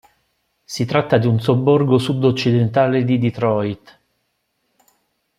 Si tratta di un sobborgo sudoccidentale di Detroit.